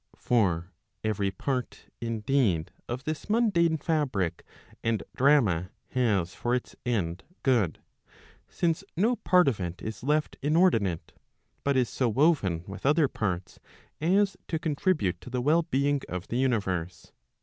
For every part, indeed, of this mundane fabric and drama has for its end good; since no part of it is left inordinate, but is so woven with other parts, as to contribute to the well being of the universe.